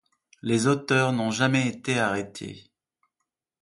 Les auteurs n'ont jamais été arrêtés.